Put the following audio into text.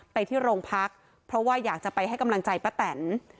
ไปที่โรงพักเพราะว่าอยากจะไปให้กำลังใจป้าแตน